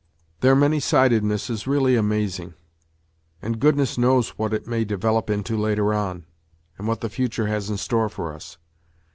Their many sidedness is really amazing, and goodness knows what it may develop into later on, and what the future has in store for us.